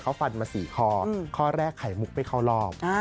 เขาฟันมา๔ข้อข้อแรกไข่มุกไม่เข้ารอบ